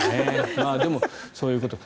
でも、そういうことか。